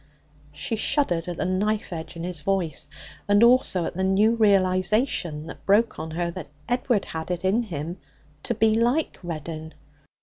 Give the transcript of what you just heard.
She shuddered at the knife edge in his voice, and also at the new realization that broke on her that Edward had it in him to be like Reddin.